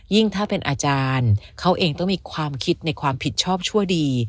ถ้าเป็นอาจารย์เขาเองต้องมีความคิดในความผิดชอบชั่วดี